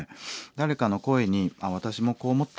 誰かの声に「私もこう思った」